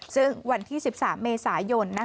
ซึ่งวันที่๑๓เมษายน